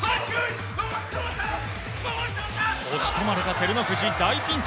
押し込まれた照ノ富士大ピンチ。